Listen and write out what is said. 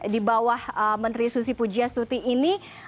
di bawah menteri susi pujias tuti ini